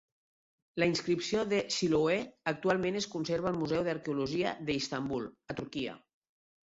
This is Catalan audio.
La inscripció de Siloé actualment es conserva al Museu d'Arqueologia de Istanbul, a Turquia.